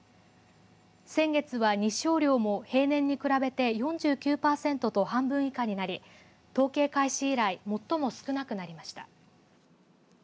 先月は日照量も平年に比べて４９％と半分以下になり統計開始以来、最も少なくなりました。